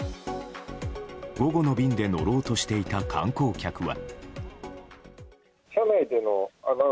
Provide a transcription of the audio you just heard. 午後の便で乗ろうとしていた観光客は。